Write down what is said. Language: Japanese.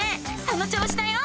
その調子だよ！